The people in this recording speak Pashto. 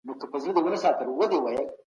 نـقـيـبــه تـــه نـــاځــوانـــه